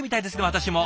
私も。